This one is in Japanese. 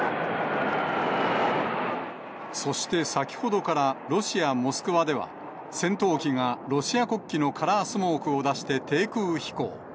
そして先ほどからロシア・モスクワでは、戦闘機がロシア国旗のカラースモークを出して低空飛行。